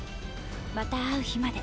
また会う日まで。